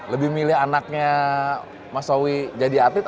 lebih milih anaknya mas sawi jadi atlet